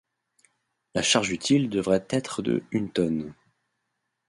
La charge utile devrait être de une tonne.